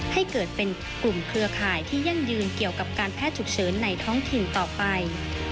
ให้เกิดเป็นกลุ่มเครือข่ายที่ยั่งยืนเกี่ยวกับการแพทย์ฉุกเฉินในท้องถิ่นต่อไป